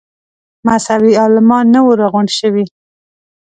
مذهبي عالمان نه وه راغونډ شوي.